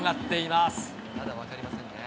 まだ分かりませんね。